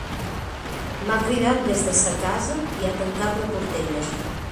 M'ha cridat des de sa casa i ha tancat la portella.